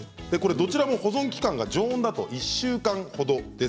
どちらも保存期間は常温だと１週間ほどです。